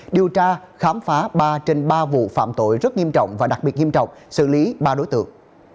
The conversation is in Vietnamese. điều tra khám phá ba trên ba vụ phạm tội rất nghiêm trọng và đặc biệt nghiêm trọng xử lý ba đối tượng